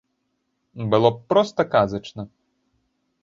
Было б проста казачна.